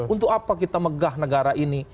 untuk apa kita megah negara ini